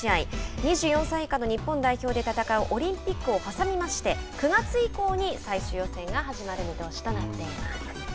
２４歳以下の日本代表で戦うオリンピックを挟みまして９月以降に最終予選が始まる見通しとなっています。